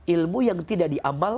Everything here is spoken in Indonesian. ilmu yang tidak di amal